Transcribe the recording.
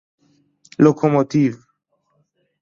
لوکو موتیو